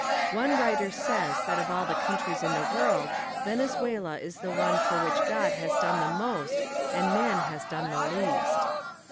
One writer says that of all the countries in the world Venezuela is the one for which God has done the most and man has done the least.